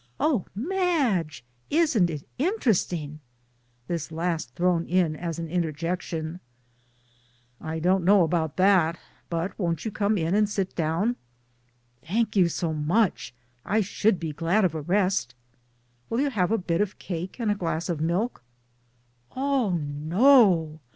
Oh ! Madge ! isn't it in teresting " (this last thrown in as an interjection). " I don't know about that ; but won't you come in and sit down? "" Thank you so much, I should be glad of a rest." " Will you have a bit of cake and a glass of milk? "" Oh no